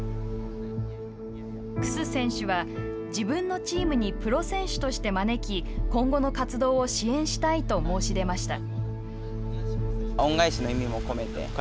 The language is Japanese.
楠選手は自分のチームにプロ選手として招き今後の活動を支援したいと申し出ました。